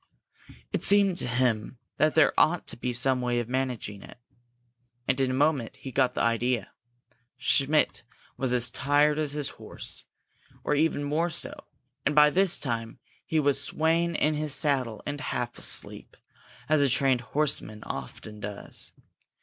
It seemed to him that there ought to be some way of managing it. And in a moment he got the idea. Schmidt was as tired as his horse, or even more so, and by this time he was swaying in his saddle and half asleep, as a trained horseman often does.